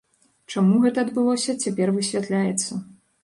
Чаму гэта адбылося, цяпер высвятляецца.